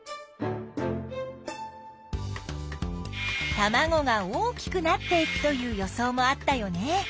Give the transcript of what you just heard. たまごが大きくなっていくという予想もあったよね。